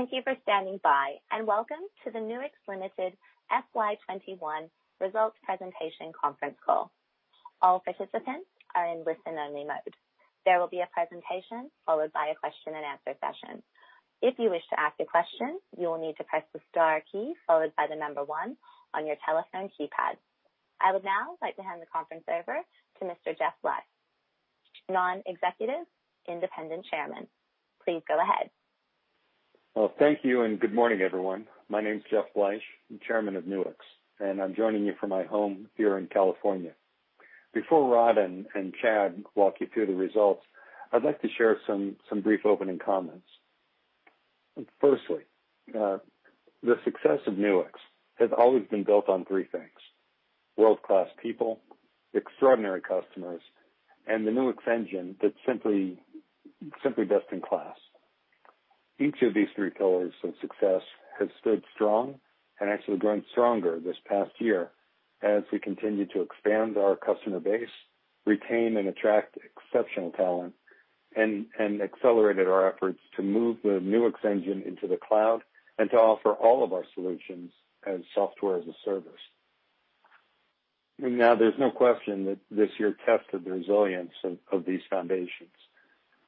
Thank you for standing by and welcome to the Nuix Limited FY21 Results Presentation Conference Call. I would now like to hand the conference over to Mr. Jeff Bleich, Non-Executive Independent Chairman. Please go ahead. Well, thank you and good morning, everyone. My name is Jeff Bleich. I'm Chairman of Nuix, and I'm joining you from my home here in California. Before Rod and Chad walk you through the results, I'd like to share some brief opening comments. Firstly, the success of Nuix has always been built on three things: world-class people, extraordinary customers, and the Nuix engine that's simply best in class. Each of these three pillars of success has stood strong and actually grown stronger this past year as we continue to expand our customer base, retain and attract exceptional talent, and accelerated our efforts to move the Nuix engine into the cloud and to offer all of our solutions as software as a service. Now, there's no question that this year tested the resilience of these foundations.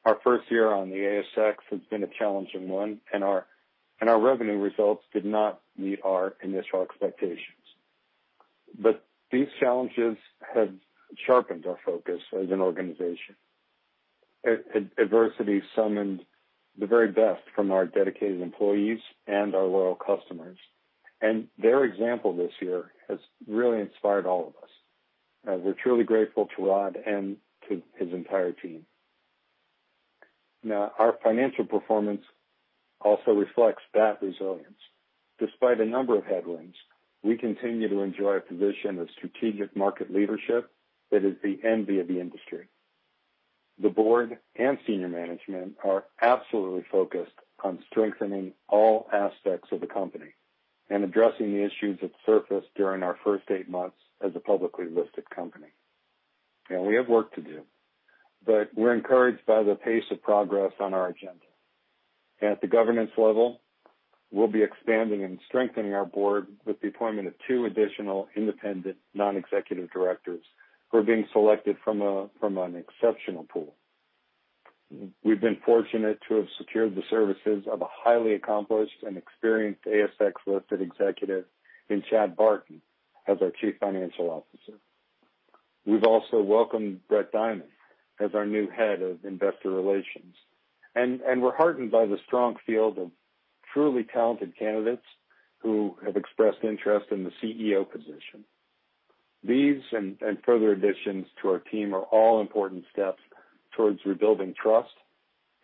Our first year on the ASX has been a challenging one. Our revenue results did not meet our initial expectations. These challenges have sharpened our focus as an organization. Adversity summoned the very best from our dedicated employees and our loyal customers. Their example this year has really inspired all of us. We're truly grateful to Rod and to his entire team. Now, our financial performance also reflects that resilience. Despite a number of headwinds, we continue to enjoy a position of strategic market leadership that is the envy of the industry. The board and senior management are absolutely focused on strengthening all aspects of the company and addressing the issues that surfaced during our first eight months as a publicly listed company. We have work to do. We're encouraged by the pace of progress on our agenda. At the governance level, we'll be expanding and strengthening our board with the appointment of two additional independent non-executive directors who are being selected from an exceptional pool. We've been fortunate to have secured the services of a highly accomplished and experienced ASX-listed executive in Chad Barton as our Chief Financial Officer. We've also welcomed Brett Dimon as our new Head of Investor Relations. We're heartened by the strong field of truly talented candidates who have expressed interest in the CEO position. These and further additions to our team are all important steps towards rebuilding trust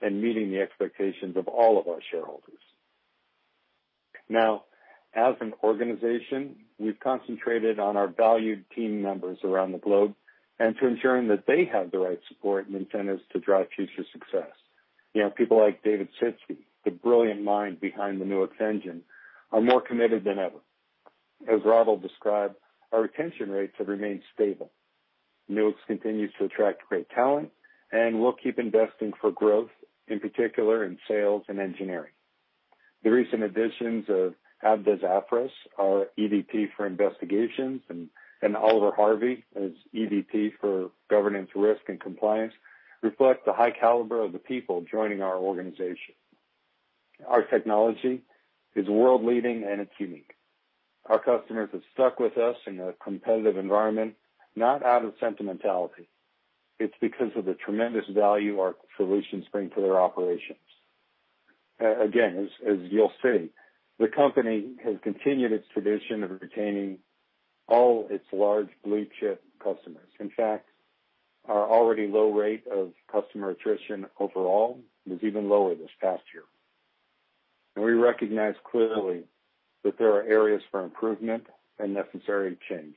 and meeting the expectations of all of our shareholders. Now, as an organization, we've concentrated on our valued team members around the globe and to ensuring that they have the right support and incentives to drive future success. People like David Sitsky, the brilliant mind behind the Nuix engine, are more committed than ever. As Rod will describe, our retention rates have remained stable. Nuix continues to attract great talent, we'll keep investing for growth, in particular in sales and engineering. The recent additions of Abdeslam Afras, our EVP for Investigations, and Oliver Harvey as EVP for Governance, Risk, and Compliance reflect the high caliber of the people joining our organization. Our technology is world-leading, it's unique. Our customers have stuck with us in a competitive environment, not out of sentimentality. It's because of the tremendous value our solutions bring to their operations. Again, as you'll see the company has continued its tradition of retaining all its large blue-chip customers. In fact, our already low rate of customer attrition overall was even lower this past year. We recognize clearly that there are areas for improvement and necessary change.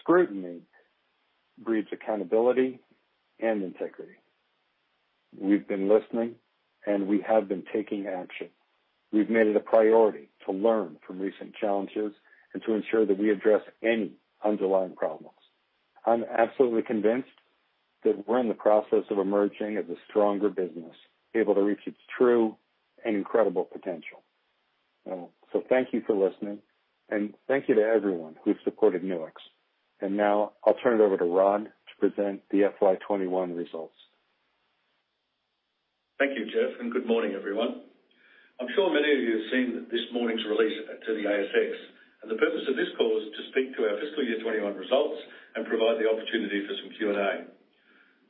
Scrutiny breeds accountability and integrity. We've been listening, and we have been taking action. We've made it a priority to learn from recent challenges and to ensure that we address any underlying problems. I'm absolutely convinced that we're in the process of emerging as a stronger business, able to reach its true and incredible potential. Thank you for listening and thank you to everyone who supported Nuix. Now I'll turn it over to Rod to present the FY21 results. Thank you Jeff. Good morning everyone. I'm sure many of you have seen this morning's release to the ASX. The purpose of this call is to speak to our fiscal year 2021 results and provide the opportunity for some Q&A.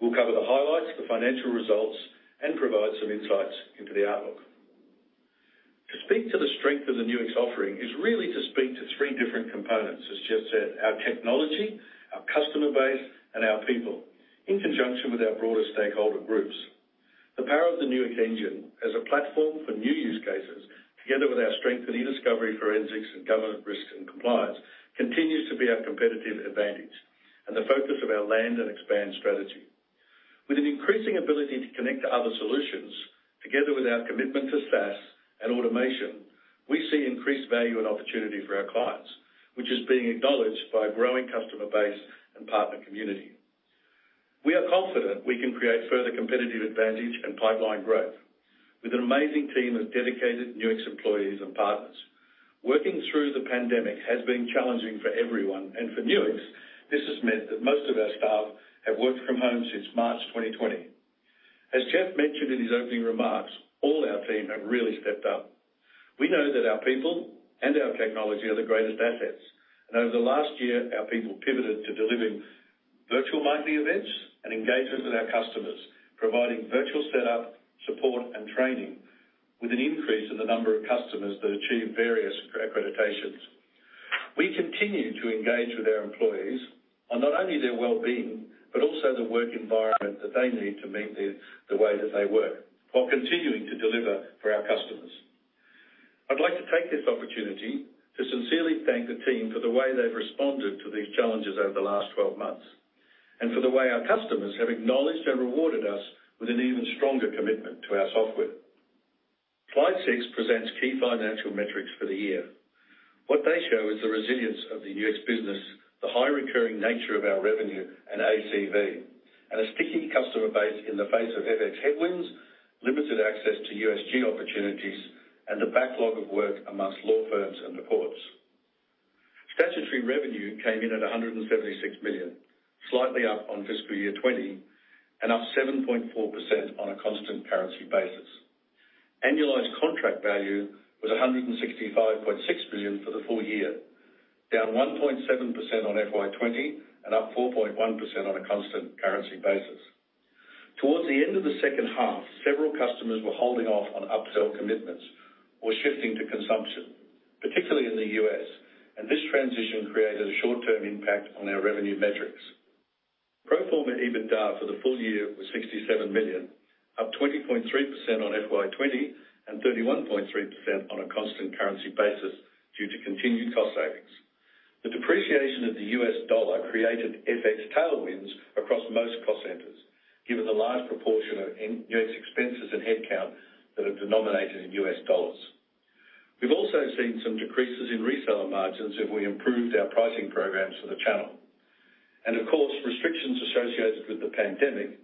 We'll cover the highlights, the financial results, and provide some insights into the outlook. To speak to the strength of the Nuix offering is really to speak to three different components, as Jeff said: our technology, our customer base, and our people, in conjunction with our broader stakeholder groups. The power of the Nuix engine as a platform for new use cases, together with our strength in e-discovery, forensics, and governance, risk, and compliance, continues to be our competitive advantage and the focus of our land and expand strategy. With an increasing ability to connect to other solutions, together with our commitment to SaaS and automation, we see increased value and opportunity for our clients, which is being acknowledged by a growing customer base and partner community. We are confident we can create further competitive advantage and pipeline growth with an amazing team of dedicated Nuix employees and partners. Working through the pandemic has been challenging for everyone and for Nuix, this has meant that most of our staff have worked from home since March 2020. As Jeff mentioned in his opening remarks, all our team have really stepped up. We know that our people and our technology are the greatest assets, and over the last year, our people pivoted to delivering virtual monthly events and engagement with our customers, providing virtual setup, support, and training with an increase in the number of customers that achieve various accreditations. We continue to engage with our employees on not only their wellbeing, but also the work environment that they need to meet the way that they work while continuing to deliver for our customers. I'd like to take this opportunity to sincerely thank the team for the way they've responded to these challenges over the last 12 months and for the way our customers have acknowledged and rewarded us with an even stronger commitment to our software. Slide six presents key financial metrics for the year. What they show is the resilience of the Nuix business, the high recurring nature of our revenue and ACV, and a sticky customer base in the face of FX headwinds, limited access to USG opportunities and the backlog of work amongst law firms and the courts. Statutory revenue came in at 176 million, slightly up on FY20, and up 7.4% on a constant currency basis. Annualized contract value was 165.6 million for the full year, down 1.7% on FY20, and up 4.1% on a constant currency basis. Towards the end of the second half, several customers were holding off on upsell commitments or shifting to consumption, particularly in the U.S., and this transition created a short-term impact on our revenue metrics. Pro forma EBITDA for the full year was 67 million, up 20.3% on FY20 and 31.3% on a constant currency basis due to continued cost savings. The depreciation of the US dollar created FX tailwinds across most cost centers, given the large proportion of Nuix expenses and headcount that are denominated in US dollars. We've also seen some decreases in reseller margins if we improved our pricing programs for the channel. Of course, restrictions associated with the pandemic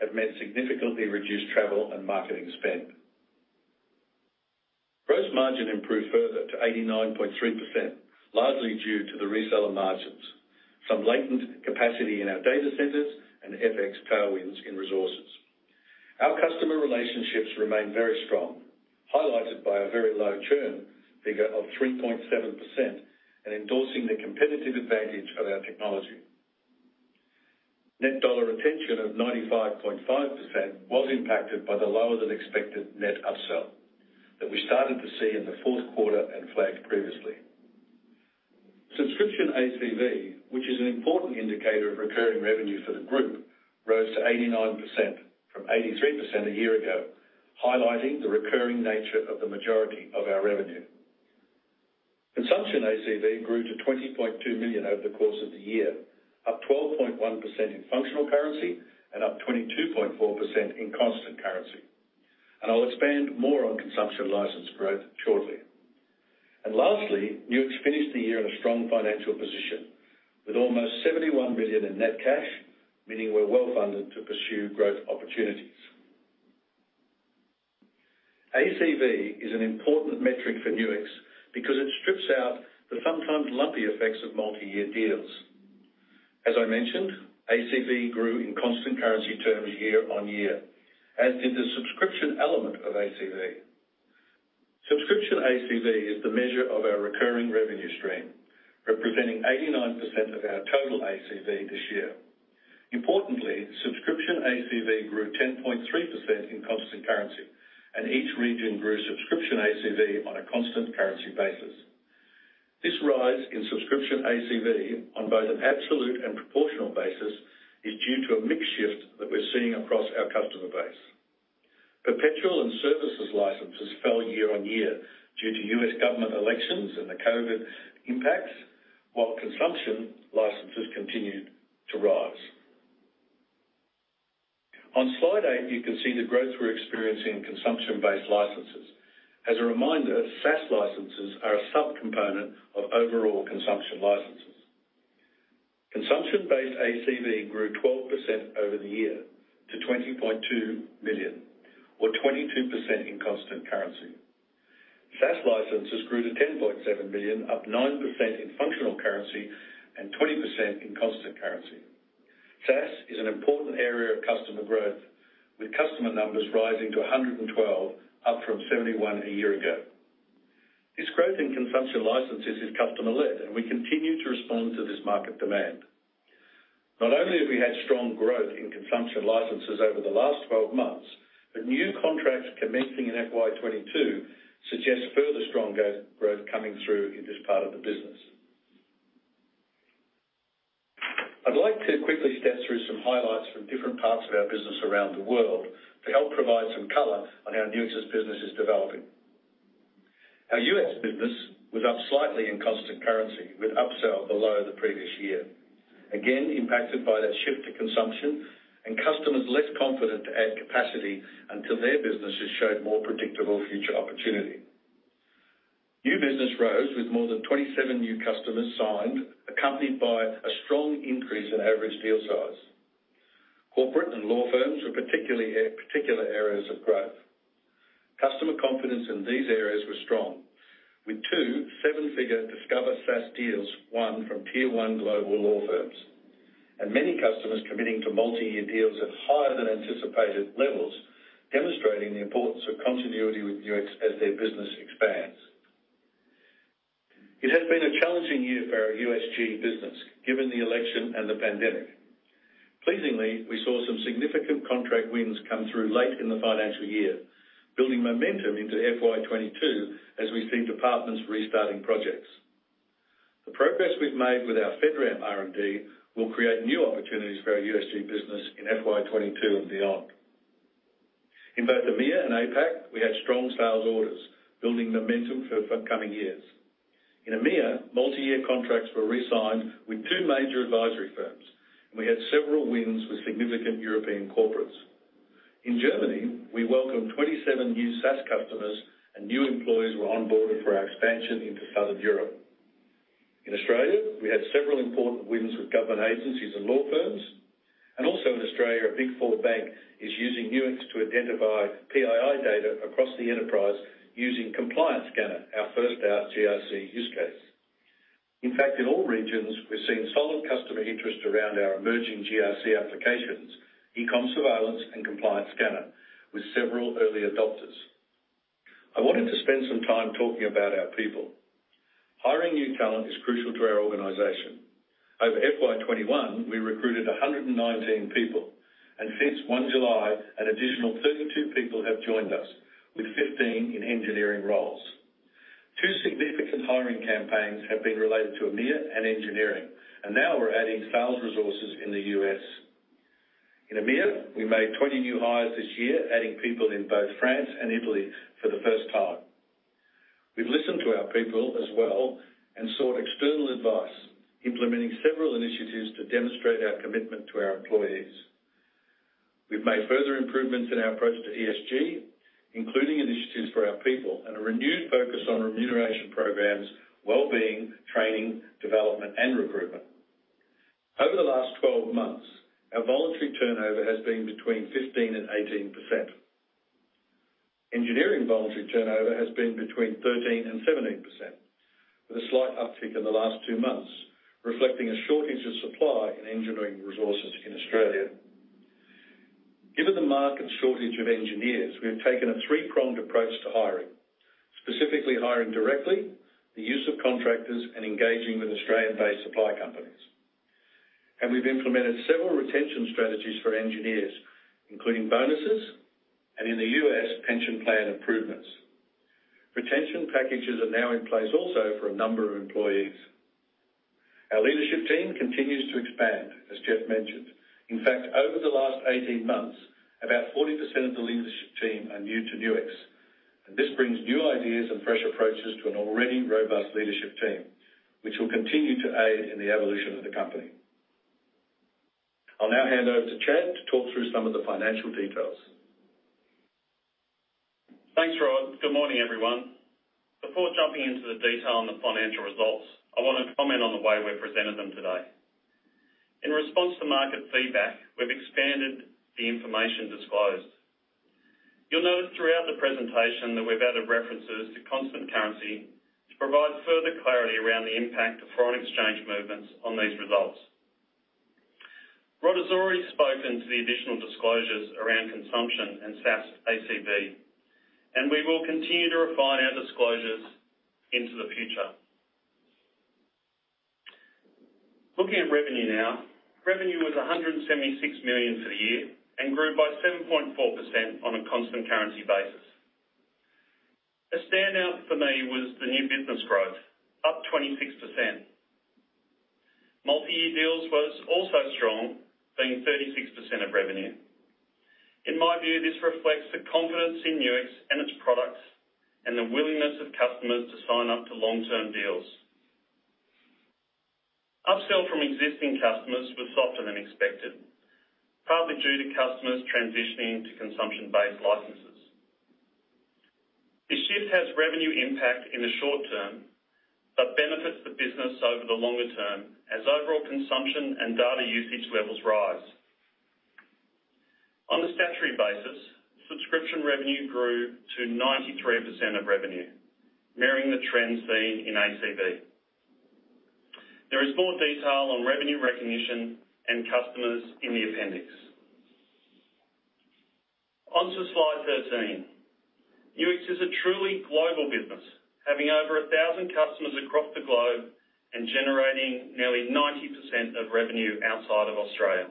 have meant significantly reduced travel and marketing spend. Gross margin improved further to 89.3%, largely due to the reseller margins, some latent capacity in our data centers, and FX tailwinds in resources. Our customer relationships remain very strong, highlighted by a very low churn figure of 3.7% and endorsing the competitive advantage of our technology. Net dollar retention of 95.5% was impacted by the lower than expected net upsell that we started to see in the fourth quarter and flagged previously. Subscription ACV, which is an important indicator of recurring revenue for the group, rose to 89% from 83% a year ago, highlighting the recurring nature of the majority of our revenue. Consumption ACV grew to 20.2 million over the course of the year, up 12.1% in functional currency and up 22.4% in constant currency. I'll expand more on consumption license growth shortly. Lastly, Nuix finished the year in a strong financial position with almost 71 million in net cash, meaning we're well-funded to pursue growth opportunities. ACV is an important metric for Nuix because it strips out the sometimes lumpy effects of multi-year deals. As I mentioned, ACV grew in constant currency terms year-on-year, as did the subscription element of ACV. Subscription ACV is the measure of our recurring revenue stream, representing 89% of our total ACV this year. Importantly, subscription ACV grew 10.3% in constant currency and each region grew subscription ACV on a constant currency basis. This rise in subscription ACV on both an absolute and proportional basis is due to a mix shift that we're seeing across our customer base. Perpetual and services licenses fell year-on-year due to U.S. government elections and the COVID impacts, while consumption licenses continued to rise. On slide eight, you can see the growth we're experiencing in consumption-based licenses. As a reminder, SaaS licenses are a sub-component of overall consumption licenses. Consumption-based ACV grew 12% over the year to 20.2 million or 22% in constant currency. SaaS licenses grew to 10.7 million, up 9% in functional currency and 20% in constant currency. SaaS is an important area of customer growth, with customer numbers rising to 112, up from 71 a year ago. This growth in consumption licenses is customer-led, and we continue to respond to this market demand. Not only have we had strong growth in consumption licenses over the last 12 months, but new contracts commencing in FY22 suggest further strong growth coming through in this part of the business. I'd like to quickly step through some highlights from different parts of our business around the world to help provide some color on how Nuix's business is developing. Our U.S. business was up slightly in constant currency with upsell below the previous year, again impacted by that shift to consumption and customers less confident to add capacity until their businesses showed more predictable future opportunity. New business rose with more than 27 new customers signed, accompanied by a strong increase in average deal size. Corporate and law firms were particular areas of growth. Customer confidence in these areas was strong, with two seven-figure Nuix Discover SaaS deals won from tier 1 global law firms, and many customers committing to multi-year deals at higher than anticipated levels, demonstrating the importance of continuity with Nuix as their business expands. It has been a challenging year for our USG business, given the election and the pandemic. Pleasingly, we saw some significant contract wins come through late in the financial year, building momentum into FY22 as we see departments restarting projects. The progress we've made with our FedRAMP R&D will create new opportunities for our USG business in FY22 and beyond. In both EMEA and APAC, we had strong sales orders, building momentum for coming years. In EMEA, multi-year contracts were resigned with two major advisory firms, and we had several wins with significant European corporates. In Germany, we welcomed 27 new SaaS customers, and new employees were onboarded for our expansion into Southern Europe. In Australia, we had several important wins with government agencies and law firms. Also in Australia, a big four bank is using Nuix to identify PII data across the enterprise using Compliance Scanner, our first out GRC use case. In fact, in all regions, we are seeing solid customer interest around our emerging GRC applications, e-com Surveillance and Compliance Scanner, with several early adopters. I wanted to spend some time talking about our people. Hiring new talent is crucial to our organization. Over FY 2021, we recruited 119 people, and since 1 July, an additional 32 people have joined us, with 15 in engineering roles. Two significant hiring campaigns have been related to EMEA and engineering, and now we are adding sales resources in the U.S. In EMEA, we made 20 new hires this year, adding people in both France and Italy for the first time. We've listened to our people as well and sought external advice, implementing several initiatives to demonstrate our commitment to our employees. We've made further improvements in our approach to ESG, including initiatives for our people and a renewed focus on remuneration programs, wellbeing, training, development, and recruitment. Over the last 12 months, our voluntary turnover has been between 15%-18%. Engineering voluntary turnover has been between 13%-17%, with a slight uptick in the last two months, reflecting a shortage of supply in engineering resources in Australia. Given the market shortage of engineers, we've taken a 3-pronged approach to hiring, specifically hiring directly, the use of contractors, and engaging with Australian-based supply companies. We've implemented several retention strategies for engineers, including bonuses, and in the U.S., pension plan improvements. Retention packages are now in place also for a number of employees. Our leadership team continues to expand, as Jeff mentioned. In fact, over the last 18 months, about 40% of the leadership team are new to Nuix. This brings new ideas and fresh approaches to an already robust leadership team, which will continue to aid in the evolution of the company. I'll now hand over to Chad to talk through some of the financial details. Thanks Rod. Good morning everyone. Before jumping into the detail on the financial results, I want to comment on the way we've presented them today. In response to market feedback, we've expanded the information disclosed. You'll notice throughout the presentation that we've added references to constant currency to provide further clarity around the impact of foreign exchange movements on these results. Rod has already spoken to the additional disclosures around consumption and SaaS ACV, and we will continue to refine our disclosures into the future. Looking at revenue now. Revenue was 176 million for the year and grew by 7.4% on a constant currency basis. A standout for me was the new business growth, up 26%. Multi-year deals was also strong, being 36% of revenue. In my view, this reflects the confidence in Nuix and its products and the willingness of customers to sign up to long-term deals. Upscale from existing customers was softer than expected, partly due to customers transitioning to consumption-based licenses. The shift has revenue impact in the short term but benefits the business over the longer term as overall consumption and data usage levels rise. On a statutory basis, subscription revenue grew to 93% of revenue, mirroring the trends seen in ACV. There is more detail on revenue recognition and customers in the appendix. On to slide 13. Nuix is a truly global business, having over 1,000 customers across the globe and generating nearly 90% of revenue outside of Australia.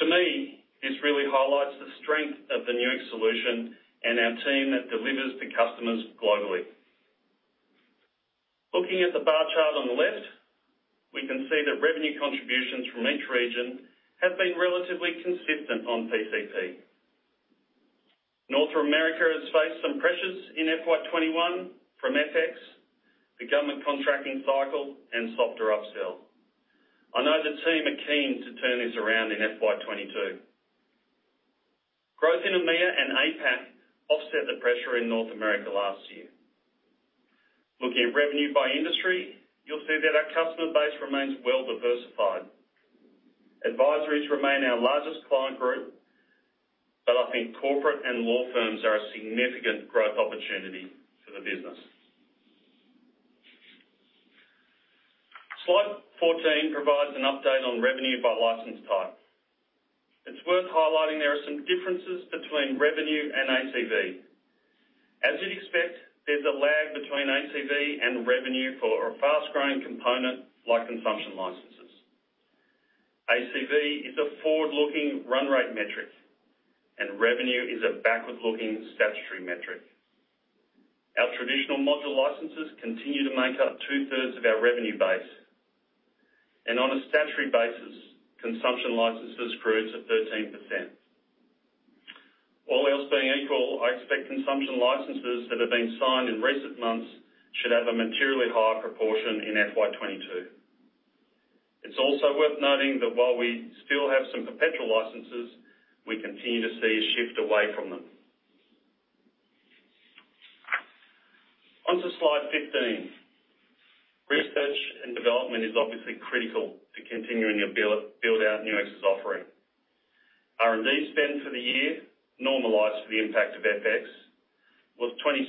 To me, this really highlights the strength of the Nuix solution and our team that delivers to customers globally. Looking at the bar chart on the left, we can see that revenue contributions from each region have been relatively consistent on PCP. North America has faced some pressures in FY21 from FX, the government contracting cycle, and softer upsell. I know the team are keen to turn this around in FY22. Growth in EMEA and APAC offset the pressure in North America last year. Looking at revenue by industry, you'll see that our customer base remains well-diversified. Advisories remain our largest client group. I think corporate and law firms are a significant growth opportunity for the business. Slide 14 provides an update on revenue by license type. It's worth highlighting there are some differences between revenue and ACV. As you'd expect, there's a lag between ACV and revenue for a fast-growing component like consumption licenses. ACV is a forward-looking run rate metric. Revenue is a backward-looking statutory metric. Our traditional module licenses continue to make up 2/3 of our revenue base. On a statutory basis, consumption licenses grew to 13%. All else being equal, I expect consumption licenses that have been signed in recent months should have a materially higher proportion in FY 2022. It's also worth noting that while we still have some perpetual licenses, we continue to see a shift away from them. On to slide 15. Research and development is obviously critical to continuing to build out Nuix's offering. R&D spend for the year, normalized for the impact of FX, was 26%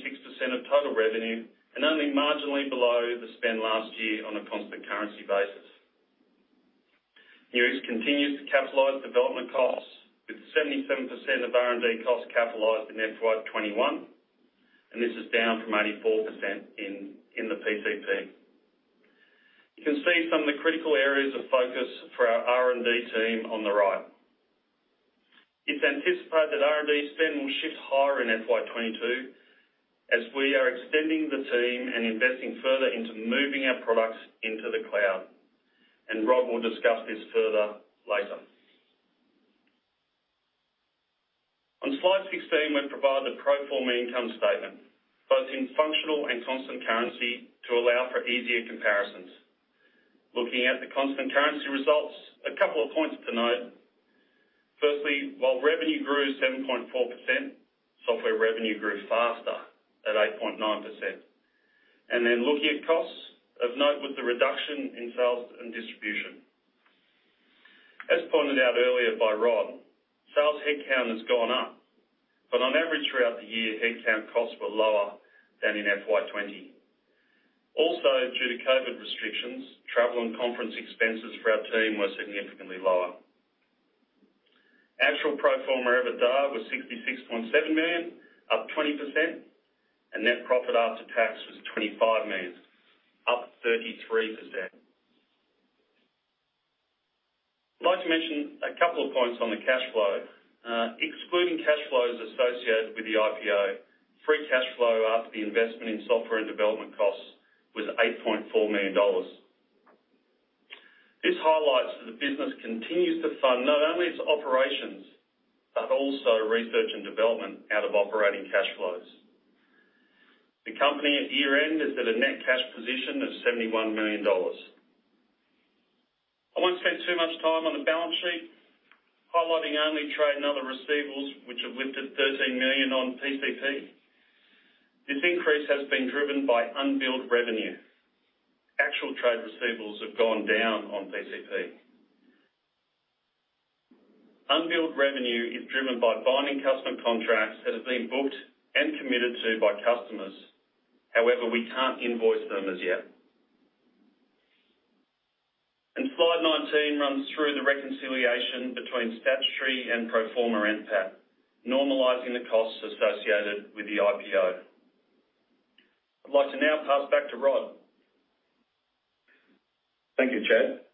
of total revenue and only marginally below the spend last year on a constant currency basis. Nuix continues to capitalize development costs, with 77% of R&D costs capitalized in FY 2021, and this is down from 84% in the PCP. You can see some of the critical areas of focus for our R&D team on the right. It's anticipated that R&D spend will shift higher in FY 2022, as we are extending the team and investing further into moving our products into the cloud. Rod will discuss this further later. On slide 16, we provide the pro forma income statement, both in functional and constant currency to allow for easier comparisons. Looking at the constant currency results, a couple of points to note. Firstly, while revenue grew 7.4%, software revenue grew faster at 8.9%. Looking at costs, of note was the reduction in sales and distribution. As pointed out earlier by Rod, sales headcount has gone up, but on average throughout the year, headcount costs were lower than in FY 2020. Also, due to COVID restrictions, travel and conference expenses for our team were significantly lower. Actual pro forma EBITDA was 66.7 million, up 20%, and net profit after tax was 25 million, up 33%. I'd like to mention a couple of points on the cash flow. Excluding cash flows associated with the IPO, free cash flow after the investment in software and development costs was 8.4 million dollars. This highlights that the business continues to fund not only its operations, but also research and development out of operating cash flows. The company at year-end is at a net cash position of 71 million dollars. I won't spend too much time on the balance sheet, highlighting only trade and other receivables, which have lifted 13 million on PCP. This increase has been driven by unbilled revenue. Actual trade receivables have gone down on PCP. Unbilled revenue is driven by binding customer contracts that have been booked and committed to by customers. However, we can't invoice them as yet. Slide 19 runs through the reconciliation between statutory and pro forma NPAT, normalizing the costs associated with the IPO. I’d like to now pass back to Rod. Thank you Chad.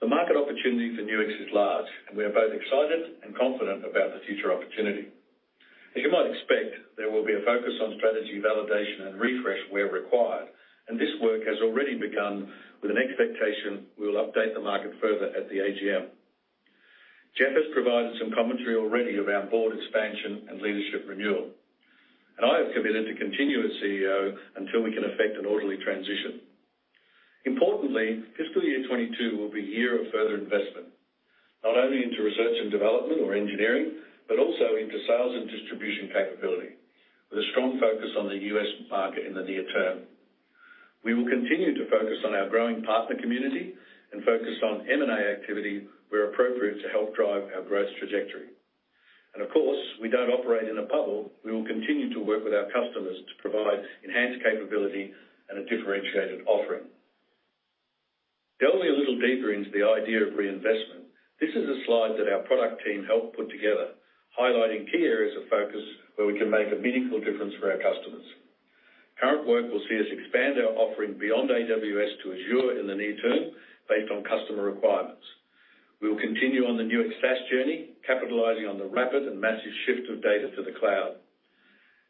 The market opportunity for Nuix is large, and we are both excited and confident about the future opportunity. As you might expect, there will be a focus on strategy validation and refresh where required, and this work has already begun with an expectation we will update the market further at the AGM. Jeff has provided some commentary already of our board expansion and leadership renewal, and I have committed to continue as CEO until we can effect an orderly transition. Importantly, FY22 will be a year of further investment, not only into R&D or engineering, but also into sales and distribution capability, with a strong focus on the U.S. market in the near term. We will continue to focus on our growing partner community and focus on M&A activity where appropriate to help drive our growth trajectory. Of course, we don't operate in a bubble. We will continue to work with our customers to provide enhanced capability and a differentiated offering. Delving a little deeper into the idea of reinvestment, this is a slide that our product team helped put together, highlighting key areas of focus where we can make a meaningful difference for our customers. Current work will see us expand our offering beyond AWS to Azure in the near term based on customer requirements. We will continue on the Nuix SaaS journey, capitalizing on the rapid and massive shift of data to the cloud.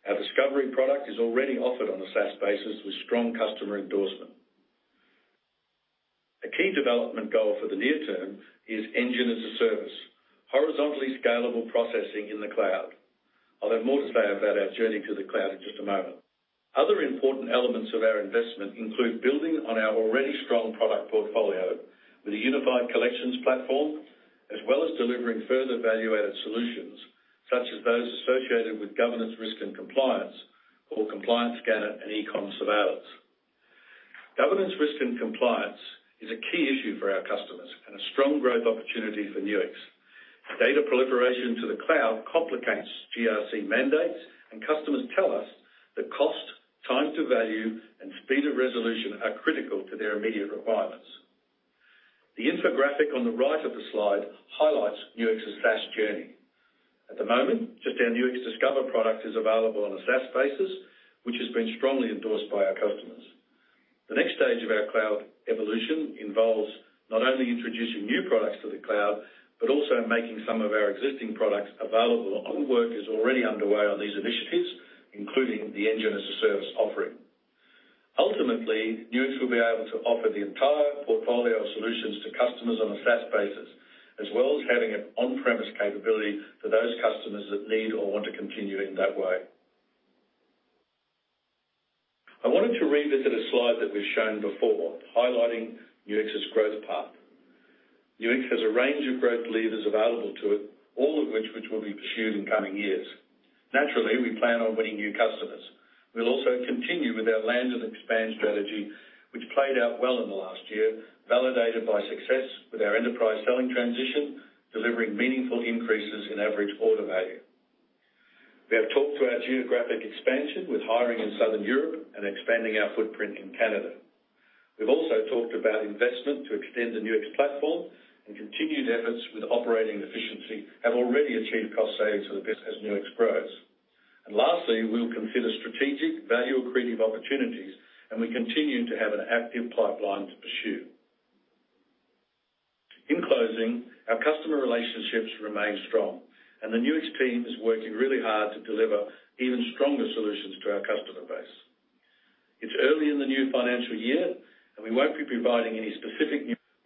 Our Nuix Discover is already offered on a SaaS basis with strong customer endorsement. A key development goal for the near term is engine as a service, horizontally scalable processing in the cloud. I'll have more to say about our journey to the cloud in just a moment. Other important elements of our investment include building on our already strong product portfolio with a unified collections platform, as well as delivering further value-added solutions, such as those associated with Governance, Risk, and Compliance or Compliance Scanner and e-com Surveillance. Governance, Risk, and Compliance is a key issue for our customers and a strong growth opportunity for Nuix. Data proliferation to the cloud complicates GRC mandates, and customers tell us that cost, time to value, and speed of resolution are critical to their immediate requirements. The infographic on the right of the slide highlights Nuix's SaaS journey. At the moment, just our Nuix Discover product is available on a SaaS basis which has been strongly endorsed by our customers. The next stage of our cloud evolution involves not only introducing new products to the cloud, but also making some of our existing products available. A lot of work is already underway on these initiatives, including the engine as a service offering. Ultimately, Nuix will be able to offer the entire portfolio of solutions to customers on a SaaS basis, as well as having an on-premise capability for those customers that need or want to continue in that way. I wanted to revisit a slide that we've shown before highlighting Nuix's growth path. Nuix has a range of growth levers available to it, all of which will be pursued in coming years. Naturally, we plan on winning new customers. We'll also continue with our land and expand strategy, which played out well in the last year, validated by success with our enterprise selling transition, delivering meaningful increases in average order value. We have talked to our geographic expansion with hiring in Southern Europe and expanding our footprint in Canada. We've also talked about investment to extend the Nuix platform and continued efforts with operating efficiency have already achieved cost savings for the business as Nuix grows. Lastly, we'll consider strategic value-creative opportunities, and we continue to have an active pipeline to pursue. In closing, our customer relationships remain strong and the Nuix team is working really hard to deliver even stronger solutions to our customer base. It's early in the new financial year, and we won't be providing any.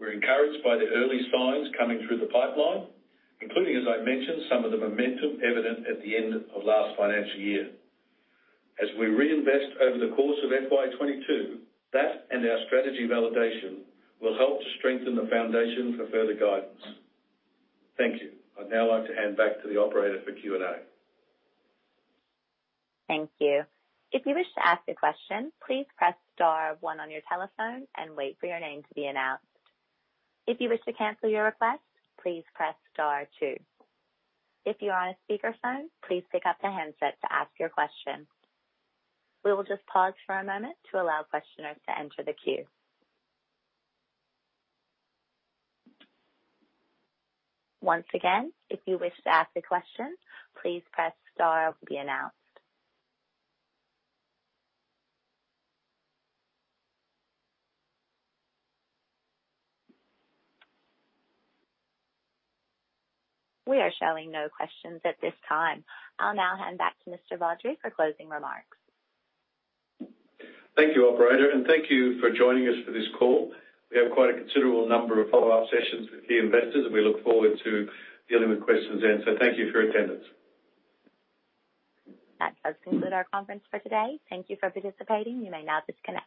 We're encouraged by the early signs coming through the pipeline, including, as I mentioned, some of the momentum evident at the end of last financial year. As we reinvest over the course of FY22, that and our strategy validation will help to strengthen the foundation for further guidance. Thank you. I'd now like to hand back to the operator for Q&A. Thank you. If you wish to ask a question, please press star one on your telephone and wait for your name to be announced. If you wish to cancel your request, please press star two. If you are on a speakerphone, please pick up the handset to ask your question. We will just pause for a moment to allow questioners to enter the queue. Once again, if you wish to ask a question, please press star to be announced. We are showing no questions at this time. I'll now hand back to Mr. Rod for closing remarks. Thank you operator and thank you for joining us for this call. We have quite a considerable number of follow-up sessions with key investors and we look forward to dealing with questions then. Thank you for your attendance. That does conclude our conference for today. Thank you for participating. You may now disconnect.